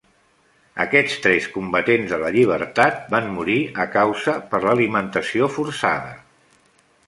Aquests tres combatents de la llibertat van morir a causa per l'alimentació forçada.